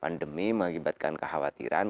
pandemi mengakibatkan kekhawatiran